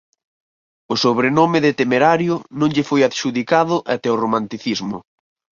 O sobrenome de ""Temerario"" non lle foi adxudicado até o romanticismo.